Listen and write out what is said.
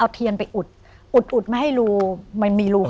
เอาเทียนไปอุดอุดอุดไม่ให้รูไม่มีรู